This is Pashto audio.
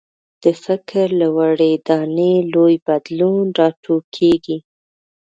د فکر له وړې دانې لوی بدلون راټوکېږي.